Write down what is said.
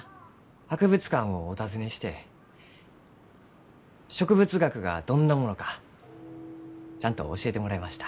博物館をお訪ねして植物学がどんなものかちゃんと教えてもらいました。